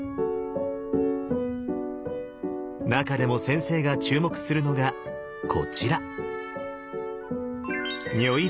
なかでも先生が注目するのがこちら。